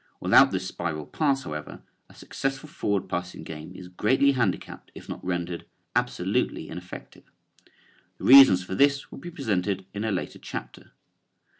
Without this spiral pass, however, a successful forward passing game is greatly handicapped if not rendered absolutely ineffective. The reasons for this will be presented in a later chapter.